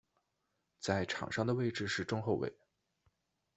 在场上的位置是中后卫。